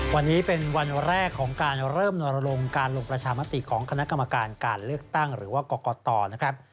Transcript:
วันนี้เป็นวันแรกของการเริ่มนรงการลงประชามติของคณะกรรมการการเลือกตั้งหรือว่ากรกตนะครับ